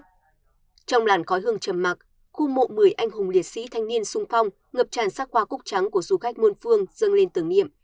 trong làn khói hương trầm mạc khu mộ một mươi anh hùng liệt sĩ thanh niên sung phong ngập tràn sắc qua cúc trắng của du khách muôn phương dâng lên tưởng niệm